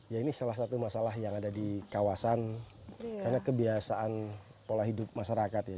ya ini salah satu masalah yang ada di kawasan karena kebiasaan pola hidup masyarakat ya